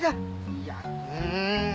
いやうん。